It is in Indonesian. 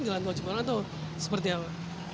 jalan tol cipul haram atau seperti apa